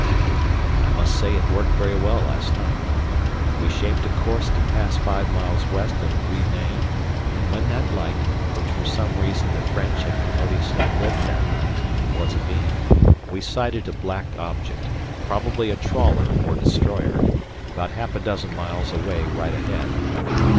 I must say it worked very well last night. We shaped a course to pass five miles west of Gris Nez, and when that light, which for some reason the French had commodiously lit that night, was abeam, we sighted a black object, probably a trawler or destroyer, about half a dozen miles away right ahead.